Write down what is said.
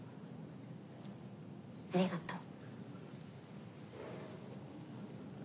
ありがとう。